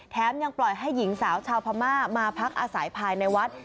ยังปล่อยให้หญิงสาวชาวพม่ามาพักอาศัยภายในวัด